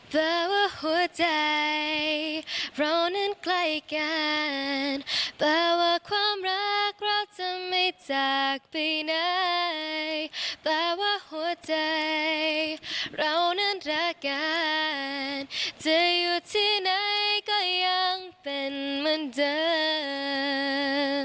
แปลว่าหัวใจเรานั้นรักกันจะอยู่ที่ไหนก็ยังเป็นเหมือนเดิม